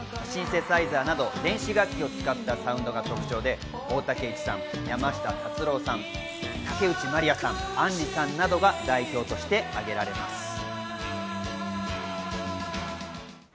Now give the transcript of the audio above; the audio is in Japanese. シンセサイザーなど電子楽器を使ったサウンドが特徴で、大滝詠一さん、山下達郎さん、竹内まりやさん、杏里さんなどが代表として挙げられます。